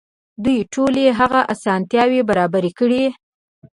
دوی ټولې هغه اسانتياوې برابرې کړې.